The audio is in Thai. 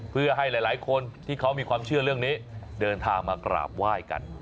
เพื่อให้หลายคนที่เขามีความเชื่อเรื่องนี้เดินทางมากราบไหว้กัน